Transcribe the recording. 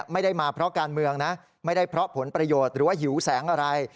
ไม่ได้เพราะผลประโยชน์หรือว่าหิวแสงอะไร